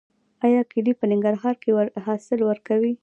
آیا کیلې په ننګرهار کې حاصل ورکوي؟